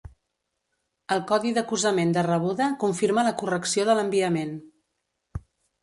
El codi d'acusament de rebuda confirma la correcció de l'enviament.